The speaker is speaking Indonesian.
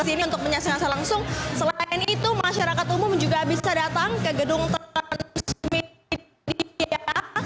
selain itu masyarakat umum juga bisa datang ke gedung transmedia